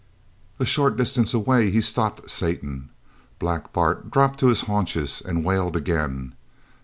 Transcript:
A short distance away he stopped Satan. Black Bart dropped to his haunches and wailed again.